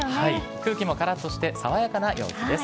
空気もからっとして、爽やかな陽気です。